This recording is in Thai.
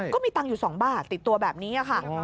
ก็มีตังค์อยู่๒บาทติดตัวแบบนี้ค่ะ